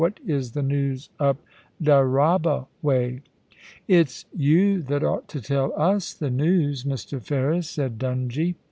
*What is the news up Dyraaba way ?'* It's you that ought to tell us the news, Mr. Ferris,' said Dungie.